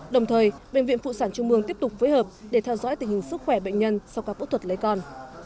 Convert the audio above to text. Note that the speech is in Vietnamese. đồng thời bệnh viện phụ sản trung mương tiếp tục phối hợp để theo dõi tình hình sức khỏe bệnh nhân sau các phẫu thuật lấy con